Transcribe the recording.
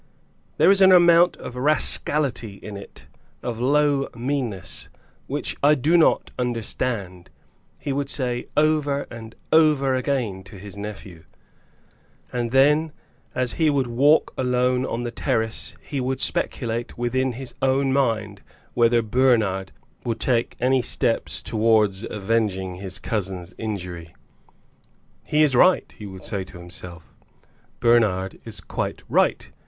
"There is an amount of rascality in it, of low meanness, which I do not understand," he would say over and over again to his nephew. And then as he would walk alone on the terrace he would speculate within his own mind whether Bernard would take any steps towards avenging his cousin's injury. "He is right," he would say to himself; "Bernard is quite right.